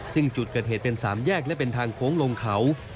ซึ่งจุดเกิดเหตุเป็นสามแยกและเป็นทางโค้งลงเขา